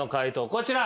こちら。